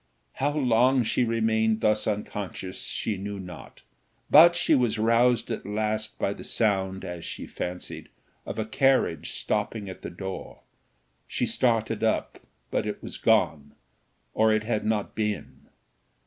How long she remained thus unconscious she knew not; but she was roused at last by the sound, as she fancied, of a carriage stopping at the door: she started up, but it was gone, or it had not been.